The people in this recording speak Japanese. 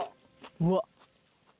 うわっ。